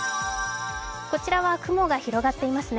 こちらは雲が広がっていますね。